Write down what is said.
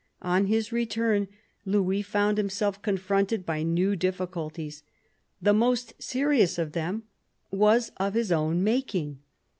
On his return Louis found himself confronted by new difficulties. The most serious of them was of his own making.